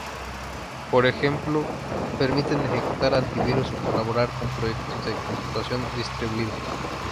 Por ejemplo, permiten ejecutar antivirus o colaborar con proyectos de computación distribuida.